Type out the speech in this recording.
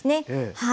はい。